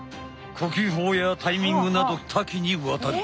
呼吸法やタイミングなど多岐にわたる。